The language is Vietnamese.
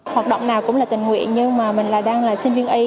học động nào cũng là tình nguyện nhưng mà mình đang là sinh viên y